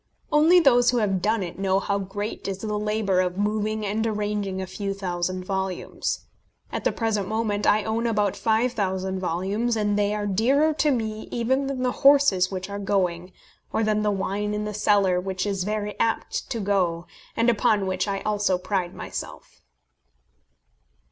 Only those who have done it know how great is the labour of moving and arranging a few thousand volumes. At the present moment I own about 5000 volumes, and they are dearer to me even than the horses which are going, or than the wine in the cellar, which is very apt to go, and upon which I also pride myself.